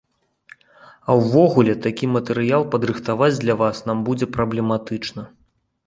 А ўвогуле, такі матэрыял падрыхтаваць для вас нам будзе праблематычна.